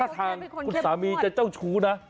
ถ้าสามีจะเจ้าชู้นะ